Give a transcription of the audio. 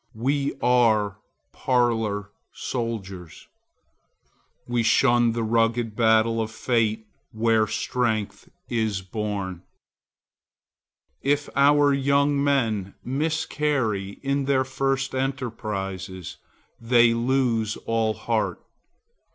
We are parlor soldiers. We shun the rugged battle of fate, where strength is born. If our young men miscarry in their first enterprises they lose all heart.